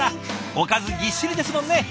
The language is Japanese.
おかずぎっしりですもんね。